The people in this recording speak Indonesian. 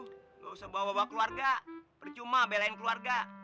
gak usah bawa bawa keluarga bercuma belain keluarga